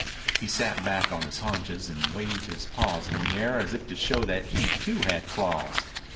He sat back on his haunches and waved his paws in the air as if to show that he, too, had claws.